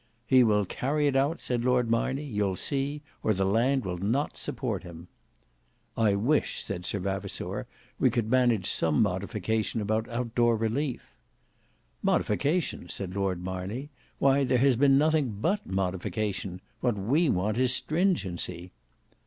"He will carry it out," said Lord Marney, "you'll see, or the land will not support him." "I wish," said Sir Vavasour, "we could manage some modification about out door relief." "Modification!" said Lord Marney; "why there has been nothing but modification. What we want is stringency."